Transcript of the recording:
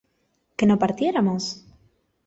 ¿que no partiéramos?